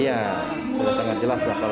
iya sudah sangat jelas kalau di sini ya